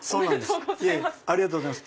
おめでとうございます。